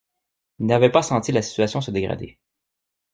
Il n’avait pas senti la situation se dégrader.